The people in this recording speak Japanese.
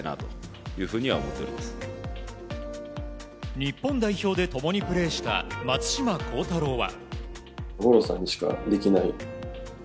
日本代表で共にプレーした松島幸太朗は。